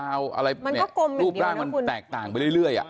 มันก็กลมอย่างเดียวนะคุณรูปร่างมันแตกต่างไปเรื่อยอ่ะ